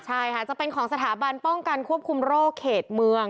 ใช่ค่ะจะเป็นของสถาบันป้องกันควบคุมโรคเขตเมือง